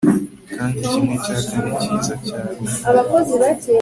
Kandi kimwe cya kane cyiza cya rutare